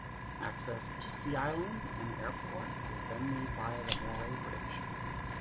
Access to Sea Island and the airport was then made via the Moray Bridge.